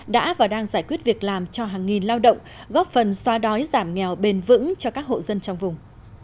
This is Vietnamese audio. đã và đang giải quyết việc làm cho hàng nghìn lao động góp phần xoa đói giảm nghèo bền vững cho các hộ dân trong vùng